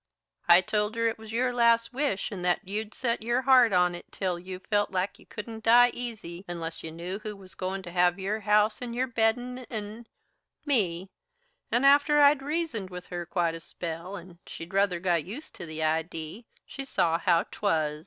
I told her that it was your last wish, and that you'd set your heart on it till you felt like you couldn't die easy unless you knew who was goin' to have your house and your beddin' and me, and after I'd reasoned with her quite a spell and she'd ruther got used to the idee, she saw how 'twas.